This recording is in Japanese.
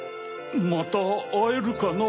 またあえるかな？